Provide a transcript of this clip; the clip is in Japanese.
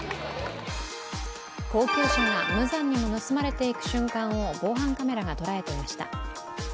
高級車が無残にも盗まれていく瞬間を防犯カメラが捉えていました。